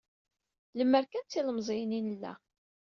Lemer kan d tilemẓiyin i nella.